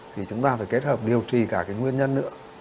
thì chúng ta phải kết hợp điều trì cả cái nguyên nhân nữa